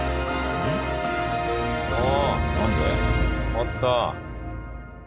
あった！